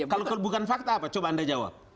kalau bukan fakta apa coba anda jawab